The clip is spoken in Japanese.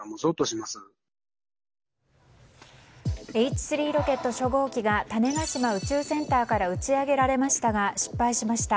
Ｈ３ロケット初号機が種子島宇宙センターから打ち上げられましたが失敗しました。